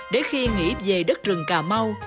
để khi nghĩ về đất rừng cà mau